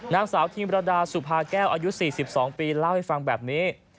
นางสาวธีมรดาสุภาแก้วอายุ๔๒ปีเล่าให้ฟังแบบนี้